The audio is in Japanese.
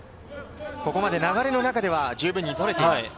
流れの中では十分に取れています。